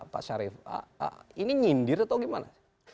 pak syarif ini nyindir atau gimana